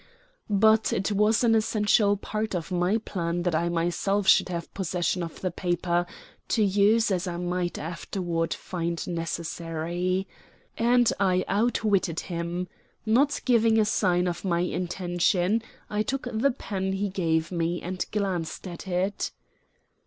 But it was an essential part of my plan that I myself should have possession of the paper to use as I might afterward find necessary. And I outwitted him. Not giving a sign of my intention, I took the pen he gave me and glanced at it.